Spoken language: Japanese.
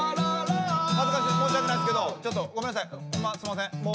恥ずかしい申し訳ないですけどちょっとごめんなさいホンマすんません。